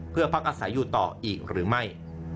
เพื่อพักอาศัยอยู่ต่ออีกหรือไม่